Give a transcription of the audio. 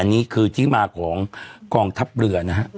อันนี้คือที่มาของกองทัพเรือนะฮะ